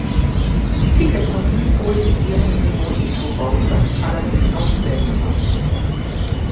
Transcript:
Viele Kunden holten ihren Bonito-Bausatz allerdings auch selbst ab.